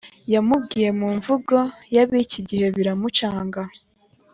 Yamubwiye mu mvugo yabiki gihe biramucanga